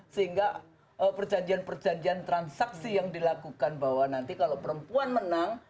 sehingga perjanjian perjanjian transaksi yang dilakukan bahwa nanti kalau perempuan menang